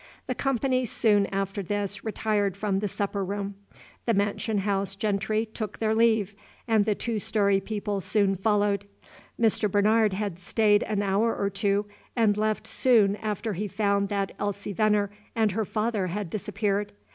The company soon after this retired from the supper room. The mansion house gentry took their leave, and the two story people soon followed. Mr. Bernard had stayed an hour or two, and left soon after he found that Elsie Venner and her father had disappeared.